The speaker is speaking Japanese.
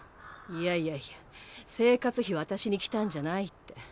いやいやいや生活費渡しに来たんじゃないって。